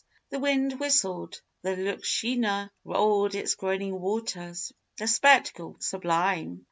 The wind whistled, the Lütschina rolled its groaning waters. The spectacle was sublime.